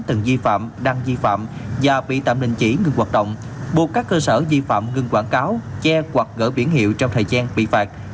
từng dị phạm đăng dị phạm và bị tạm đình chỉ ngừng hoạt động buộc các cơ sở dị phạm ngừng quảng cáo che hoặc gỡ biển hiệu trong thời gian bị phạt